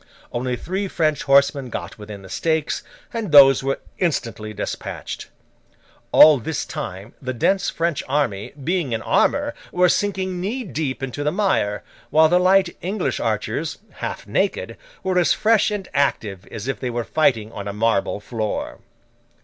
Only three French horsemen got within the stakes, and those were instantly despatched. All this time the dense French army, being in armour, were sinking knee deep into the mire; while the light English archers, half naked, were as fresh and active as if they were fighting on a marble floor.